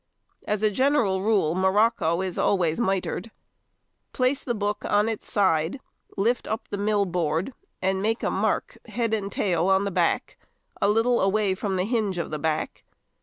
As a general rule morocco is always mitred. Place the book on its side, lift up the mill board, and make a mark head and tail on the back, a little away from the hinge of the back.